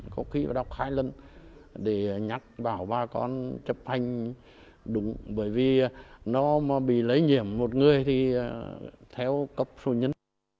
có khi đọc hai lần để nhắc bảo bà con chấp hành đúng bởi vì nó bị lây nhiễm một người thì theo cấp số nhân